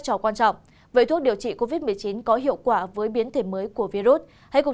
trò quan trọng vậy thuốc điều trị covid một mươi chín có hiệu quả với biến thể mới của virus hay cuộc